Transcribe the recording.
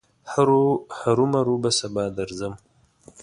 هرو مرو به سبا درځم.